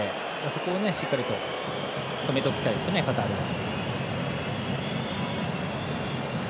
そこをしっかりと止めておきたいですねカタールは。